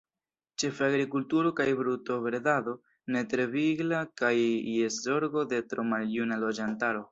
Ĉefe agrikulturo kaj brutobredado ne tre vigla kaj je zorgo de tro maljuna loĝantaro.